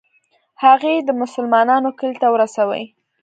هغه یې د مسلمانانو کلي ته ورسوي.